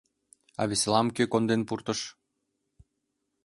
А веселам кӧ конден пуртыш?